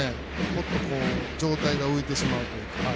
パッと上体が浮いてしまうというか。